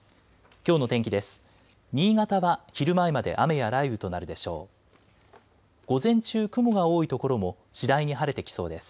きょうの天気です。